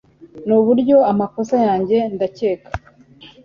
nuburyo amakosa yanjye ndakeka